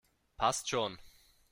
Passt schon!